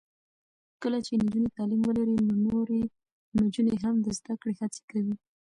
کله چې نجونې تعلیم ولري، نو نورې نجونې هم د زده کړې هڅې کوي.